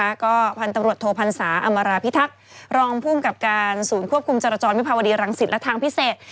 แล้วก็พันธุ์ตำรวจโทษพันธุ์สาวอำาราพิทักษ์รองภูมิกับการศูนย์ควบคุมจรจรวรรย์วิพาวดีหลังสิทธิ์และทางพิเศษ